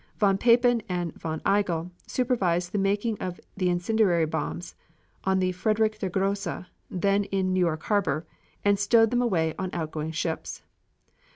Von Papen and von Igel supervised the making of the incendiary bombs on the Friedrich der Grosse, then in New York Harbor, and stowed them away on outgoing ships.